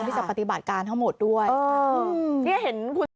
ที่จะปฏิบัติการทั้งหมดด้วยเออนี่เห็นคุณ